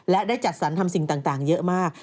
และได้จัดสรรทำสิ่งต่างเยอะมาก